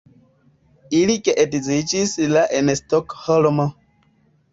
Ili geedziĝis la en Stokholmo.